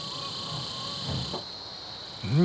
うん？